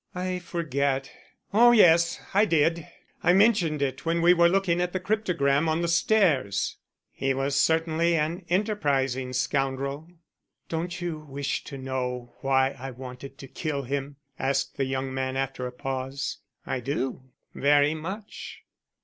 "I forget. Oh, yes, I did! I mentioned it when we were looking at the cryptogram on the stairs." "He was certainly an enterprising scoundrel." "Don't you wish to know why I wanted to kill him?" asked the young man after a pause. "I do, very much."